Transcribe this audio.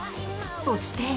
そして。